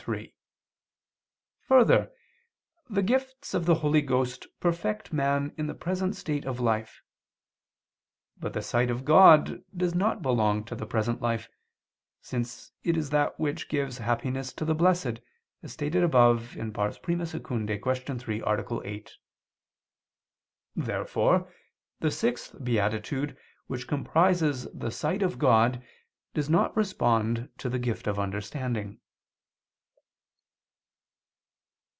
3: Further, the gifts of the Holy Ghost perfect man in the present state of life. But the sight of God does not belong to the present life, since it is that which gives happiness to the Blessed, as stated above (I II, Q. 3, A. 8). Therefore the sixth beatitude which comprises the sight of God, does not respond to the gift of understanding.